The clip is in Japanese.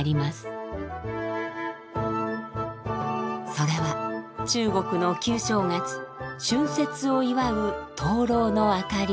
それは中国の旧正月春節を祝う灯籠の明かり。